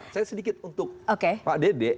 saya sedikit untuk pak dede